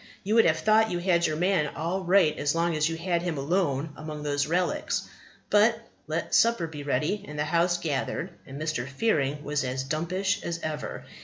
You would have thought you had your man all right as long as you had him alone among these old relics; but, let supper be ready, and the house gathered, and Mr. Fearing was as dumpish as ever.